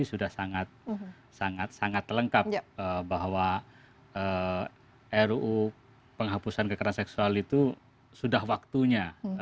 sudah sangat sangat lengkap bahwa ruu penghapusan kekerasan seksual itu sudah waktunya